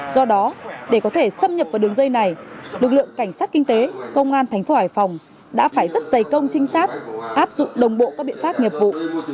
do đó để có thể xâm nhập vào đường dây này lực lượng cảnh sát kinh tế công an thành phố hải phòng đã phải rất dày công trinh sát áp dụng đồng bộ các biện pháp nghiệp vụ